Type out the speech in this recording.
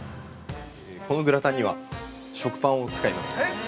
◆このグラタンには食パンを使います。